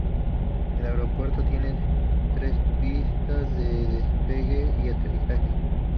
El aeropuerto tiene tres pistas de despegue y aterrizaje.